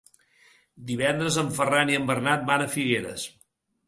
Divendres en Ferran i en Bernat van a Figueres.